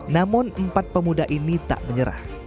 namun empat pemuda ini tak menyerah